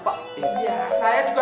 tapi ada apa